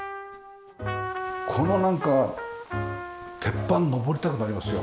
このなんか鉄板上りたくなりますよ。